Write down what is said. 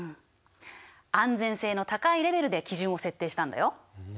安全性の高いレベルで基準を設定したんだよ。